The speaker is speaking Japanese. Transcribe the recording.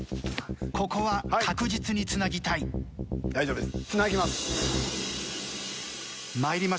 ここは確実につなぎたい。